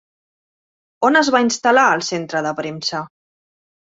On es va instal·lar el centre de premsa?